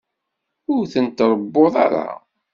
Ur ten-tṛewwuḍ ara.